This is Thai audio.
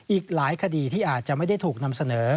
อีกหลายคดีที่อาจจะไม่ได้ถูกนำเสนอ